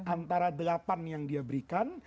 antara delapan yang dia berikan